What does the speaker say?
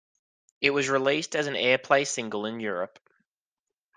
It was released as an airplay single in Europe.